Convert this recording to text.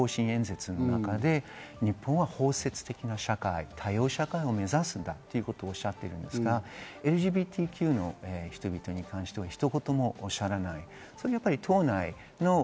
それが先日、施政方針演説の中で日本は包摂的な社会、多様社会を目指すんだということをおっしゃっているんですが、ＬＧＢＴＱの人々に関しては、ひと言もおっしゃらない。